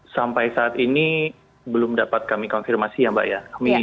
sampai saat ini belum dapat kami konfirmasi ya mbak ya